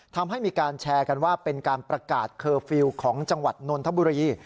ทำให้มีการแชร์กันว่าเป็นการประกาศเคอร์ฟิลล์ของจังหวัดนนทบุรี